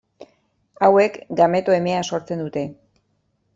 Hauek, gameto emea sortzen dute.